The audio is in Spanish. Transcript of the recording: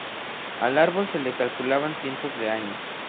Al árbol se le calculaban cientos de años.